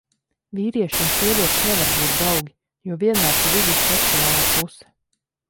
Vīrieši un sievietes nevar būt draugi, jo vienmēr pa vidu ir seksuālā puse.